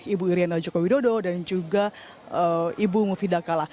ibu iryana joko widodo dan juga ibu mufidakala